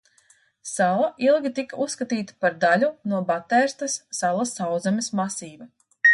Sala ilgi tika uzskatīta par daļu no Batērsta salas sauszemes masīva.